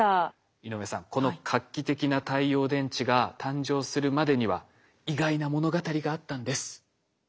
井上さんこの画期的な太陽電池が誕生するまでには意外な物語があったんです。